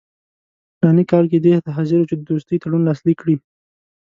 په فلاني کال کې دې ته حاضر وو چې د دوستۍ تړون لاسلیک کړي.